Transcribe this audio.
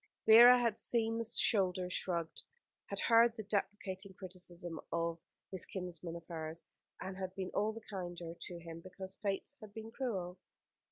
Vera had seen the shoulders shrugged, and had heard the deprecating criticism of this kinsman of hers, and had been all the kinder to him because Fate had been cruel.